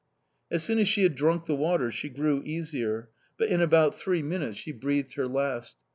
"As soon as she had drunk the water, she grew easier but in about three minutes she breathed her last!